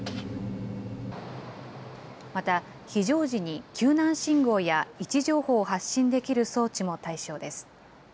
また非常時に救難信号や位置情報を発信できる装置も対象です。